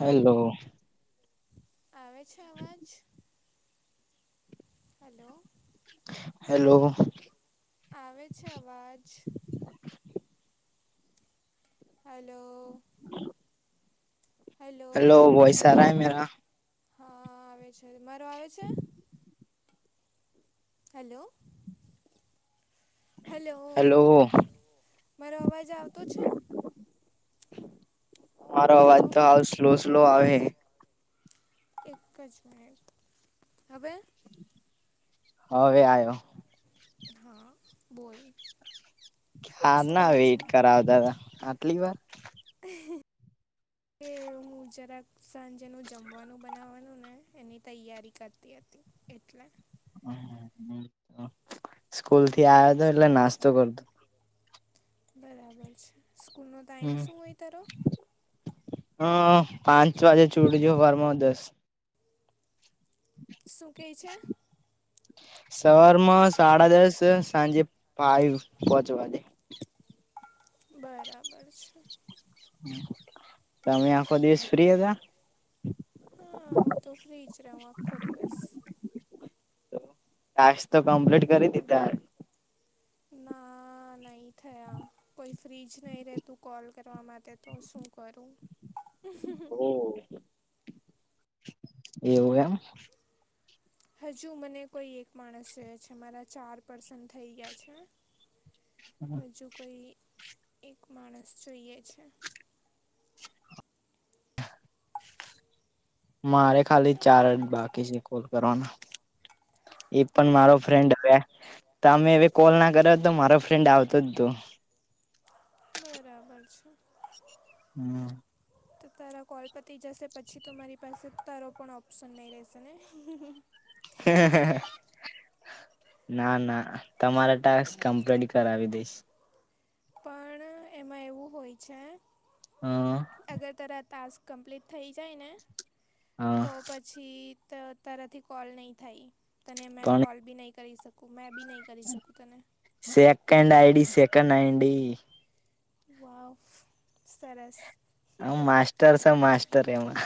Hello આવે છે અવાજ? હલો હેલો આવે છે અવાજ? હલો હલો વોઈશ આ રહા હૈ મેરા? હા આવે છે. મારો આવે છે? હલો હલો હેલો મારો અવાજ આવતો છે? તમારો અવાજ હેલો તો હાવ સ્લો સ્લો આવે હે. એક જ મિનિટ હવે? હવે આયો. હા બોલ. શું ક્યારના કરે છે? વેઇટ કરાવતા તા આટલી વાર? હ કે મુજરાક સાંજેનું જમવાનું બનાવવાનું ને એની તૈયારી કરતી હતી. એટલે. સ્કૂલથી આવ્યો તો એટલે નાસ્તો કર બરાબર છે, સ્કૂલનો ટાઈમ હમ શું હોય તારો? હ પાંચ વાગે [unintelligible] દસ શું કેય છે? સવારમાં સાડા દસ સાંજે ફાઈવ પહોચવા દે બરાબર છે. તમે આખો દિવસ ફ્રી હતા? હા હું તો ફ્રીજ રેવ આખો દિવસ ટાસ્ક તો કમ્પ્લીટ કરી દીધા ના નહી થયા. કોઈ ફ્રીજ નહી રેતું કોલ કરવા માટે તો શું કરું એવું એવું એમ હજુ મને કોઈ એક માણસ છે, મારા ચાર પર્સન થઈ ગયા છે. હજુ કોઈ એક માણસ જોઈએ છે. [inaudible] મારે ખાલી ચાર બાકી છે, કોલ કરવાના એ પણ હે મારો ફ્રેન્ડ હવે તમે કોલ ના કર્યો તો મારો ફ્રેન્ડ આવતો હતો. બરાબર છે. હમ. [unintelligible] તારા કોલ પતી જશે પછી તો મારી પાસે તારો પણ ઓપ્શન નહી રેશે ને [unintelligible] ના ના તમારા ટાસ્ક કોમપલિત કરાવી દઈશ પણ એમાં એવું હોય છે. હ. અગર તારા ટાસ્ક કમ્પ્લીટ થઈ જાય ને તો હ. પછી તો તારાથી કોલ નહીં થાય તને મેં પણ કોલ બી નહીં કરી શ કુ મે બી નહી કરી શકુ તને second ID second ID wow સરસ [unintelligible] તર છે, માસ્તર એમાં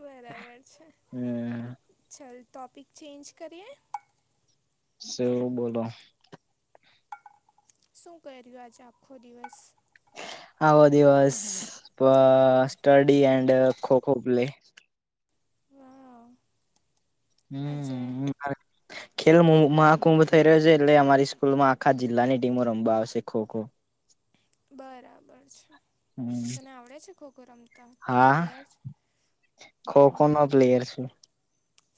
બરાબર છે, હમ ચાલ ટોપિક ચેન્જ કરીએ શુ બોલો શું કર્યું આજે આખો દિવસ આવો દિવસ સ્ટડી એન્ડ ખો ખો પલે વાવ આજે હમ. ખેલ મહાકુંભ થઈ રહ્યો છે, એટલે અમારી સ્કૂલમાં આખા જિલ્લાની ટીમો રમવા આવશે ખો ખો બરાબર છે, તને આવડે છે, ખો ખો રમતા તું પ્લેયર ખો ખો નો હમ, પ્લેયર છુ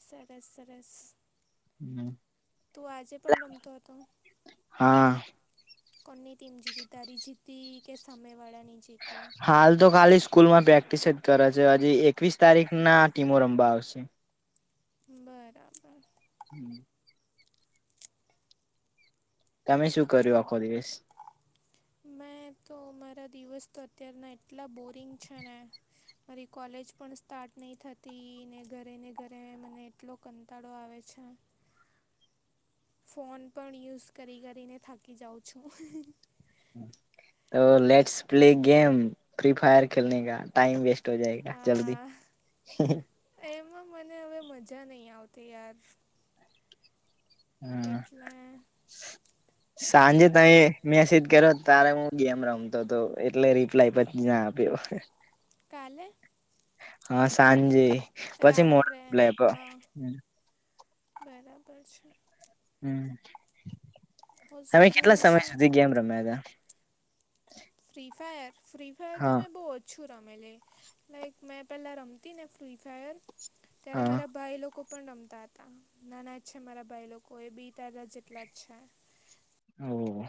સરસ સરસ તું આજે પણ રમતો હતો? હા. કોની ટીમ જીતી તારી જીતી કે સામે વાડાની જીતી. હાલ તો ખાલી સ્કૂલમાં પ્રેક્ટિસ જ કરે છે. હજી એકવીસ તારીખ ના ટીમો રમવા આવશે. બરાબર. [inaudible] તમે શું કર્યું આખો દિવસ. મેં તો મારા દિવસ તો અત્યારના એટલા બોરિંગ છે ને. મારી કોલેજ પણ સ્ટાર્ટ નહી થતી ને ઘરે ને ઘરે મને એટલો કંટાળો આવે છે. ફોન પણ યુઝ કરી-કરીને થાકી જાઉં છું. તો let's play game, free fire ખેલને કા. ટાઈમ વેસ્ટ [unintelligible] જલ્દી. આ એમાં મને હવે મજા નહી આવતી યાર. હા એટલે. [inaudible] સાંજે તેએ મેસેજ કર્યો તારે હું ગેમ રમતો હતો, એટલે રિપ્લાય પણ ના આપ્યો. કાલે. હા, સાંજે પછી મોડો રાત્રે રિપ્લાય આયપો. હા બરાબર છે. હોસ- તમે કેટલા હું સમય છે સુધી ગેમ રમ્યા તા. ફ્રી ફાયર, ફ્રી હતા ફાયર તો હા મેં બો ઓછું રમેલી. લાઈક મેં પેલા રમતીને ફ્રી ફાયર. ત્યારે હા મારા ભાઈ લોકો પણ રમતા હતા. નાના જ છે મારા ભાઈ લોકો એ બી તારા જેટલા જ છે.. હમ.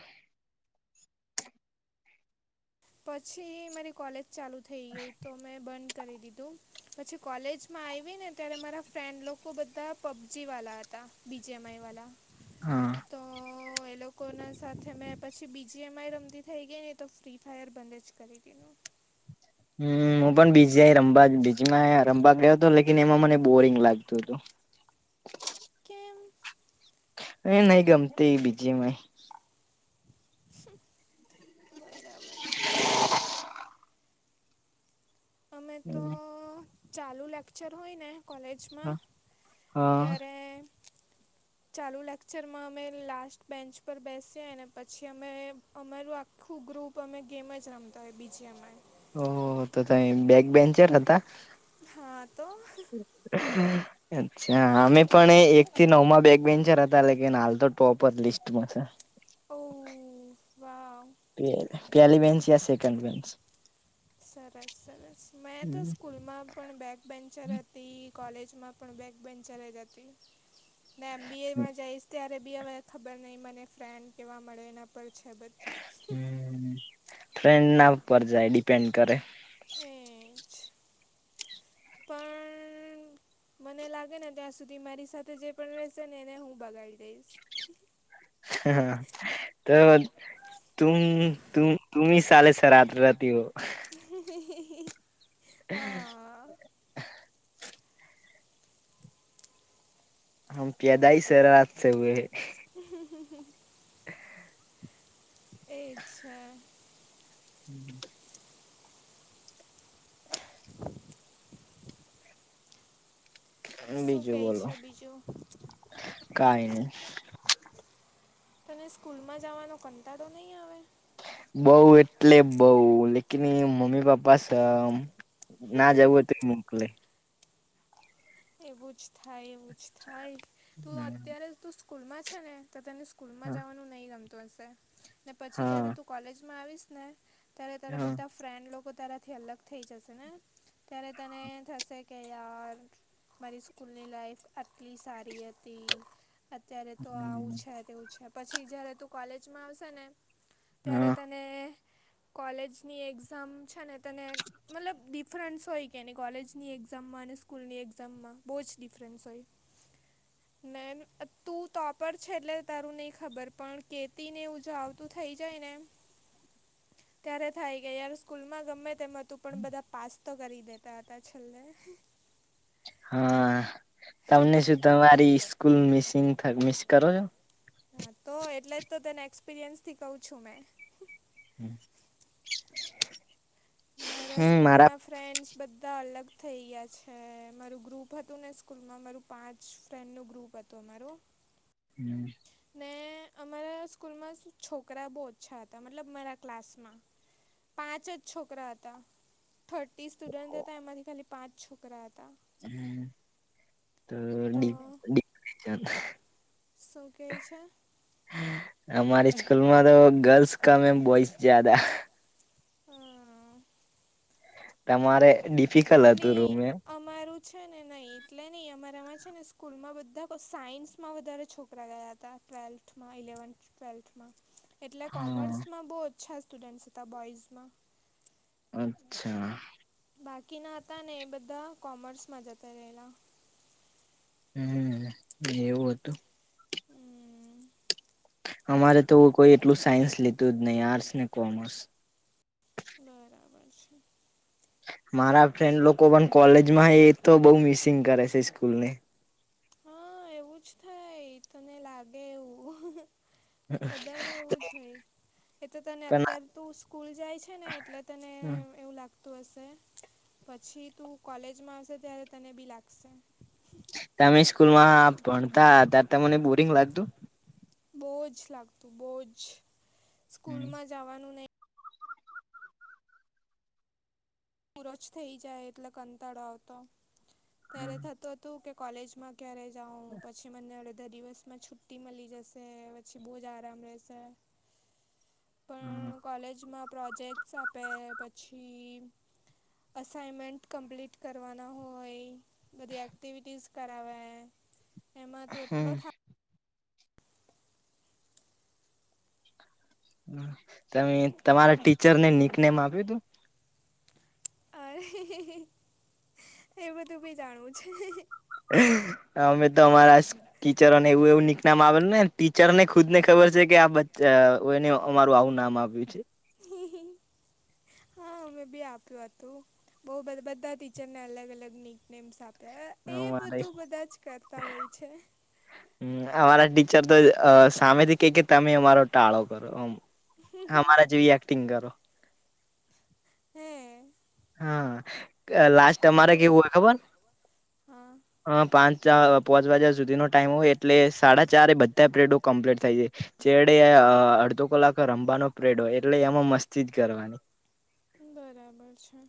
પછી મારી કોલેજ ચાલુ થઈ ગઈ તો મેં બંધ કરી દીધું. પછી કોલેજમાં આયવી ને ત્યારે મારા ફ્રેન્ડ લોકો બધા પબજી વાલા હતા. બીજી એમ આઈ વાલા. હા. તો એ લોકોના સાથે મેં પછી બી જી એમ આઈ રમતી થઈ ગઈ ને તો ફ્રી ફાયર બંધ જ કરી દીધું. હમ્મ, હું પણ બી જી આઈ રમવા બીજી માં રમવા ગયો હતો, લેકિન એમાં મને બોરિંગ લાગતું હતું. કેમ. એ નહી ગમતી બી જી એમ આઈ. બરાબર છે. અમે તો ચાલુ લેક્ચર હોય ને કોલેજમાં હા ત્યારે ચાલુ લેક્ચરમાં અમે લાસ્ટ બેન્ચ પર બેસીએ અને પછી અમે અમારું આખું ગ્રુપ અમે ગેમ જ રમતા હોય બી જી એમાં આઈ. ઓ હો-હો તો તમેં બેગ બેન્ચર હતા. હા તો. [inaudible] અચ્છા, અમે પણ એ એક થી નવમાં બેગ બેન્ચર હતા, લેકિન હાલ તો ટોપ જ લિસ્ટમાં છે. ઓ વાવ. પહેલી બેન્ચ યા સેકન્ડ બેન્ચ. સરસ-સરસ મેં તો સ્કૂલમાં પણ બેગ બેન્ચર હતી. કોલેજમાં પણ બેક બેન્ચર જ હતી ને એમ બી એમાં જઈશ ત્યા બી હવે ખબર નહીં મને ફ્રેન્ડ કેવા મળે એના પર છે, બ ફ્રેન્ડના ઉપર જાય ડિપેન્ડ કરે તે જ પણ મને લાગે ને ત્યાં સુધી મારી સાથે જે પણ રેશે ને એને હું બગાડી દઈશ. હા તો તુમ તુમ [unintelligible] [inaudible] [inaudible] હા [inaudible] [inaudible] તે જ છે. [inaudible] [inaudible] શું કેય છે, બીજું? કાય ની તને સ્કૂલમાં જાવાનો કંટાડો નહીં આવે? બઉ એટલે બઉ લેકીની મમ્મી પપ્પા સમ ના જવું હોય તો મોકલે. એવું જ એવું જ થાય તું અત્યારે તું સ્કૂલમાં છે, ને તો તને સ્કૂલમાં હા જાવાનું નહીં રમતું હશે ને પછી હા જયારે તું કોલેજમાં આવીશ ને ત્યારે તારા બધા ફ્રેન્ડ લોકો તારાથી અલગ થઈ જશે ને ત્યારે તને થશે કે યાર મારી સ્કૂલની લાઈફ આટલી સારી હતી. અત્યારે તો આવું છે, તેવું છે, પછી જયારે તું કોલેજમાં આવશે ને ત્યારે હા તા ને કોલેજની એક્ઝામ છે, ને તને મતલબ ડિફરન્સ હોય કેને કોલેજની એક્ઝામમાં અને સ્કૂલની એક્ ઝામમાં બો જ ડિફરન્સ હોય નેન તું તોપર છે, એટલે તારું નહીં ખબર પણ કેતીનેવું જ આવતું થઈ જાય ને ત્યારે થાય ગયા યાર સ્કૂલમાં ગમે તેમ તું પણ બધા પાસ તો કરી દેતા હતા છેલ્લે હા તમને શું તમારી સ્કૂલ મિસિંગ મિસ કરો છો? હા તો એટલે જ તો તને એક્સપિરિયન્સથી કહઉ છું મેં હમ મારા મારા સ્કૂલના ફ્રેન્ડ્સ બધા અલગ થઈ ગયા છે, મારું ગ્રુપ હતું ને સ્કૂલમાં મારું પાંચ ફ્રેન્ડનું ગ્રુપ હતું અમારું હમ. ને અમારા સ્કૂલમાં છોકરા બો ઓછા હતા મતલબ મારા ક્લાસમાં પાંચ જ છોકરા હતા થર્ટી સ્ટુડન્ટ હતા એમાંથી ખાલી પાંચ છોકરા હતા. હમ. તો [unintelligible] શું કહે છે અમારી સ્કૂલમાં તો ગર્લ્સ કમે બોઈસ જ્યાદા હમ. તમારે ડિફિકલ્ટ હતું નહીં રૂમે એમ? અમારું છે ને નહીં એટલે નહીં અમારામાં છે ને સ્કૂલમાં બધા સાયન્સમાં વધારે છોક [inaudible] તા ટ્વેલ્થમાં ઇલેવન્થ ટ્વેલ્થમાં. એટલે હા કોમર્સમાં બહુ ઓચ્છા સ્ટુડન્ટ્સ હતા બોઇઝમાં. અચ્છા. બાકીના હતા ને એ બધા કોમર્સમાં જતા રહેલા. હમ એવું હતું? હમ અમારે તો કોઈ એટલું સાયન્સ લેતું જ નહીં. આર્ટસ ને કોમર્સ. બરાબર છે. મારા ફ્રેન્ડ લોકો પણ કોલેજમાં એતો બઉ મિસિંગ કરે છે સ્કૂલને. હા એવું જ થાય. તને લાગે એવું. બધાનું એવું જ હોય. એતો તને અત્યારે તું સ્કૂલ જાય છે ને એટલે તને પણ એવું લાગ તું હશે. પછી તું કોલેજમાં હશે ત્યારે તને બી લાગશે. તમે સ્કૂલમાં ભણતા ત્યારે તમને બોરિંગ લાગતું? બોજ જ લાગતું બોજ. હમ સ્કૂલમાં જાવાનું નહી પૂરો જ થઈ જાય એટલે કંટળો આવતો. ત્યારે થતું હતું કે કોલેજમાં ક્યારે જાઉં પછી મને અડધા દિવસમાં છૂ ટી મલી જશે, પછી બહુ જ આરામ રેશે. હહ કોલેજમાં પ્રોજેક્ટ્સ આપે પછી અસાઈમેન્ટ કમ્પ્લીટ કરવાના હોય. બધી એક્ટિવિટીસ કરાવે. એમાં તો એટલો થાક તમે તમારા ટીચરને નીકનેમ આપ્યું તું? અરે એ બધું ભી જાણવું છે. અમે તો અમારા ટિચરોને એવું એવું નીક નામ આપેલુંને ટીચરને ખુદને ખબર છે કે આ બચ અમારું આવું નામ આપ્યું છે. હા અમે બી આપ્યું હતું. બહુ બધ બધાં ટીચરને અલગ અલગ નીકનેમ્સ આપ તા એ અમારે બધું બધા જ કરતા હોય છે. અમારા ટીચર તો સામેથી કે કે તમે મારો ટાળો કરો એમ. અમારા જેવી એક્ટિંગ કરો. હે? હા લાસ્ટ તો અમારે તમે કેવું હોય ખબર હા હ પાંચ પાંચ વાગ્યા સુધીનો ટાઇમ હોય એટલે સાડા ચારે એ બધા પીરડો કમ્પ્લીટ થઈ જાય. છેલે અડધો કલાક રમવાનો પ્રેડ હોય એટલે એમાં મસ્તી જ કરવાની. બરાબર છે.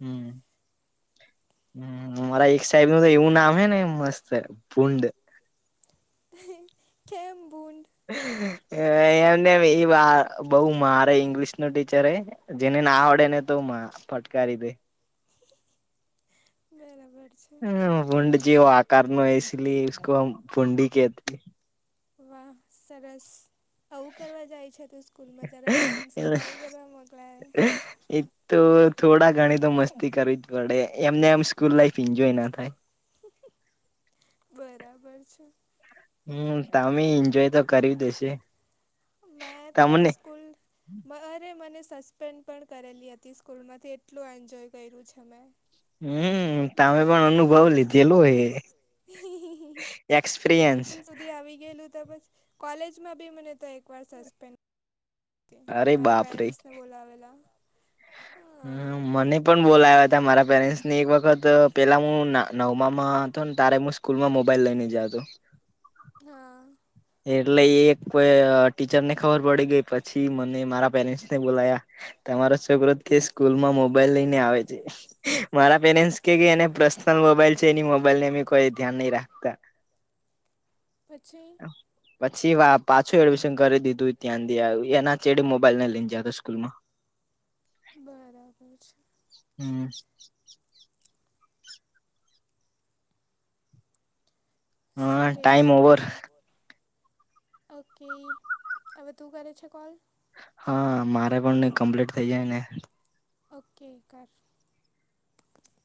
હમ હમ અમારા એક સાહેબનું તો એવું નામ હે ને મસ્ત. સે ભૂંડ. કેમ ભૂંડ? એ એમને એ બહુ મારે ઈંગ્લિશનો ટીચર એ. જેને ના આવડે એને તો મા ફટકારી દે. બરાબર છે ભૂંડ જેવો આ આકારનો ઇસ લીયે ઈસ્કો હમ ભૂંડી કહતે હૈ. વાહ સરસ. આવું કરવા જાય છે તું સ્કૂલમાં તાર પેરેન્ટ્સ તને આવું કરવા મોકલાવે. એ તો થોડા ઘણી તો મસ્તી કરવી જ પડે એમને એમ સ્કૂલ લાઈફ એન્જોય ના થાય. બરાબર છે. હમ્મ તમે એન્જોય તો કર્યું હશે. મેં તો તમને સ્કૂલ અરે મને સસ્પેન્ડ પણ કરેલી હતી સ્કૂલમાંથી એટલું એન્જોય કર્યું છે મેં. હમ્મ તમે પણ અનુભવ લીધેલો હે. એક્સપિરિયન્સ હન શુદ તે આવી ગયેલું તો પછ કોલેજ માં બી મને તો એક વાર સસ્પેન્ડ તે અરે મારા બાપરે પેરેન્ટસને બોલાવેલા હા. હ મને પણ બોલાવ્યા હતા મારા પેરેન્ટ્સને એક વખત પેલા હું નવમામાં હતો ને તારે મુશ સ્કૂલમાં મોબાઈલ લયને જાતો. હા. એટલે એક પે ટીચર ને ખબર પડી ગઈ પછી મને મારા પેરેન્ટ્સ ને બોલાયા તમારો છોકરો કે સ્કૂલમાં મોબાઈલ લઈને આવે છે. મારા પરેન્ટ્સ કે એને પર્સનલ મોબાઈલ છે એની મોબાઈલ છે એની અમ કોઈ ધ્યાન નહી રાખતા પછી પછી વા પાછું એડમિશન કરી દીધું ત્યાંન ત્યાં એના ચડીે મોબાઈલ ન લઈને જતો સ્કૂલમાં. બરાબર છે. હમ્મ. હ શું કેઈ ટાઈમ છે ઓવર બીજું? ઓકે હવે તું કરે છે કોલ? હા, મારે પણ ની કમ્પ્લીટ થઇ જાય ને. ઓકે કર.